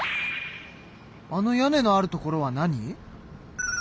あの屋根のあるところは何？